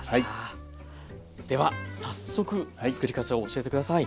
では早速つくり方を教えて下さい。